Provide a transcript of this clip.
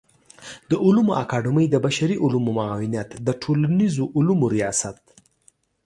د علومو اکاډمۍ د بشري علومو معاونيت د ټولنيزو علومو ریاست